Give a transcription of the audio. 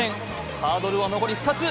ハードルは残り２つ。